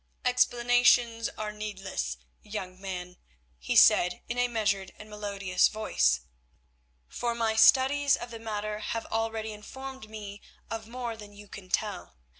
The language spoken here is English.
"Explanations are needless, young man," he said, in a measured and melodious voice, "for my studies of the matter have already informed me of more than you can tell.